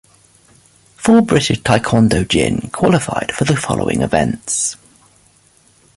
Four British taekwondo jin qualified for the following events.